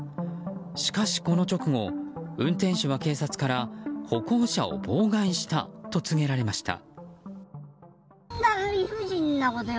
しかし、この直後運転手は警察から歩行者を妨害したと告げられました。